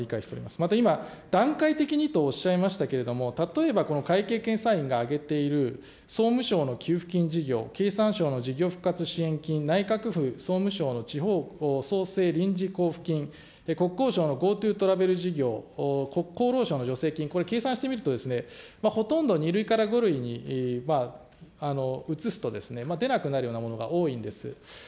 また今、段階的にとおっしゃいましたけれども、例えばこの会計検査院があげている、総務省の給付金事業、経産省の事業復活支援金、内閣府、総務省の地方創生臨時交付金、国交省のＧｏＴｏトラベル事業、の助成金これ、計算してみると、ほとんど２類から５類に移すと出なくなるものが多いんです。